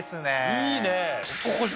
いいね。